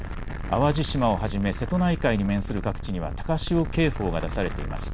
淡路島をはじめ瀬戸内海に面する各地には高潮警報が出されています。